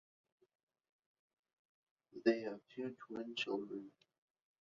They have two twin children.